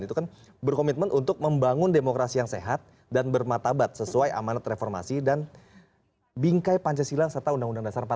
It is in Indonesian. itu kan berkomitmen untuk membangun demokrasi yang sehat dan bermatabat sesuai amanat reformasi dan bingkai pancasila serta undang undang dasar empat puluh lima